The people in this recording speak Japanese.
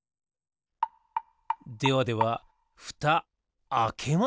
ではではふたあけますよ。